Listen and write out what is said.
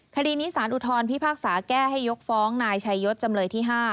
คดีนี้สารอุทธรพิพากษาแก้ให้ยกฟ้องนายชัยยศจำเลยที่๕